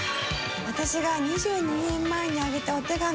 私が２２年前にあげたお手紙